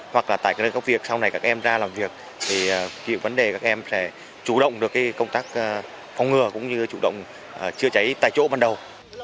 hoặc là tại cái nơi có việc sau này các em ra làm việc thì việc vấn đề các em sẽ chủ động được cái công tác phòng ngừa cũng như chủ động chữa cháy tại chỗ ban đầu